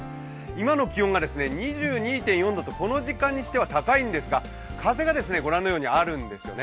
今の気温が２２．４度と、この時間にしては高いんですが、風が、ご覧のようにあるんですよね